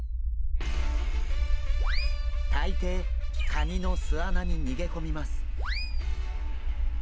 大抵カニの巣穴に逃げ込みます。